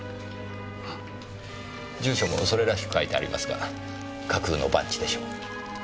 住所もそれらしく書いてありますが架空の番地でしょう。